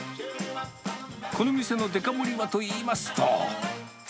この店のデカ盛りはといいますと。